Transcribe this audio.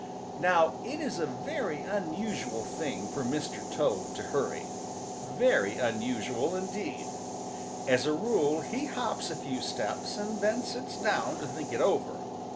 Now it is a very unusual thing for Mr. Toad to hurry, very unusual indeed. As a rule he hops a few steps and then sits down to think it over.